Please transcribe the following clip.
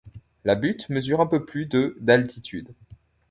La butte mesure un peu plus de d'altitude.